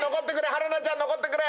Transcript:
春菜ちゃん残ってくれ！